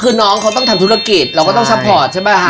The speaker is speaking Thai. คือน้องเขาต้องทำธุรกิจเราก็ต้องซัพพอร์ตใช่ไหมฮะ